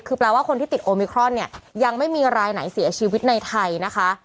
คือแปลว่าคนที่ติดโอมิครอนเนี่ยยังไม่มีรายไหนเสียชีวิตในไทยนะคะ